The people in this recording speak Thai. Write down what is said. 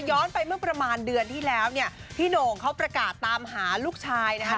ย้อนไปเมื่อประมาณเดือนที่แล้วเนี่ยพี่โหน่งเขาประกาศตามหาลูกชายนะครับ